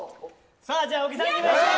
じゃあ、小木さんいきましょう。